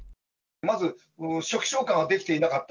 まず初期消火ができていなかった。